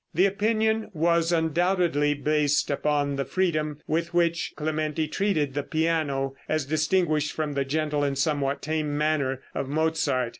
The opinion was undoubtedly based upon the freedom with which Clementi treated the piano, as distinguished from the gentle and somewhat tame manner of Mozart.